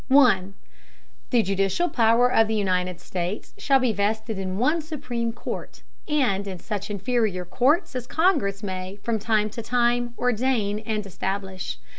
The judicial Power of the United States, shall be vested in one supreme Court, and in such inferior Courts as the Congress may from time to time ordain and establish.